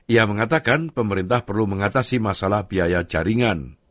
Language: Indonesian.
ia mengatakan pemerintah perlu mengatasi masalah biaya jaringan